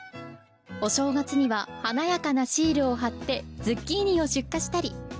お正月には華やかなシールを貼ってズッキーニを出荷したり。